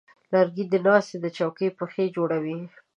لرګی د ناستې د چوکۍ پښې جوړوي.